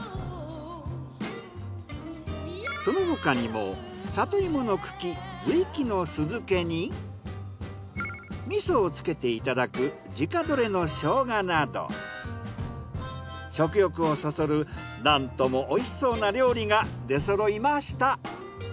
その他にも里芋の茎味噌をつけていただく自家採れのショウガなど食欲をそそるなんとも美味しそうな料理が出そろいました。